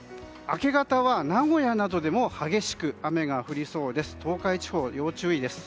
明け方は、名古屋などでも激しく雨が降りそうです。